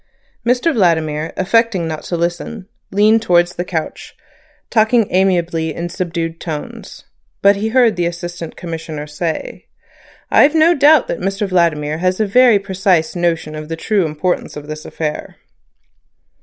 Mr Vladimir, affecting not to listen, leaned towards the couch, talking amiably in subdued tones, but he heard the Assistant Commissioner say: "I've no doubt that Mr Vladimir has a very precise notion of the true importance of this affair."